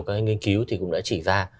các nghiên cứu thì cũng đã chỉ ra